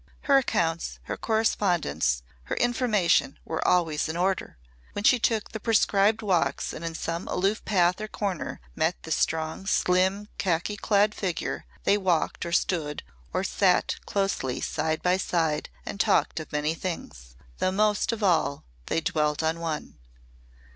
Her accounts, her correspondence, her information were always in order. When she took the prescribed walks and in some aloof path or corner met the strong, slim khaki clad figure, they walked or stood or sat closely side by side and talked of many things though most of all they dwelt on one.